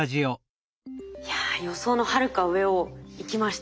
いや予想のはるか上を行きました。